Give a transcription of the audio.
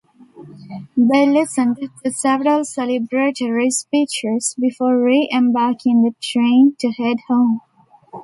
They listened to several celebratory speeches, before re-embarking the train to head home.